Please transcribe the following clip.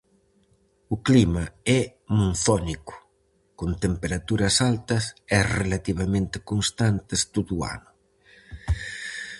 O clima é monzónico, con temperaturas altas e relativamente constantes todo o ano.